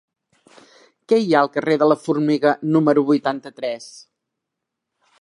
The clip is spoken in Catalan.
Què hi ha al carrer de la Formiga número vuitanta-tres?